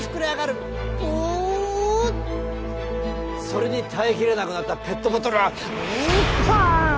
それに耐えきれなくなったペットボトルはパーン！